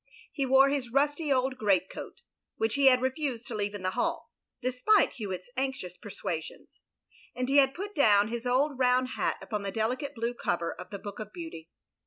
He wore his rusty old great coat, which he had refused to leave in the hall, despite Hewitt's anxious persuasions; and he had put down his old round hat upon the delicate blue cover of the Book of Beauty.